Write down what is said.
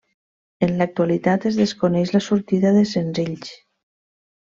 En l'actualitat es desconeix la sortida de senzills.